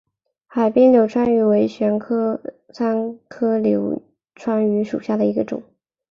海滨柳穿鱼为玄参科柳穿鱼属下的一个种。